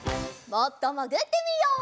もっともぐってみよう。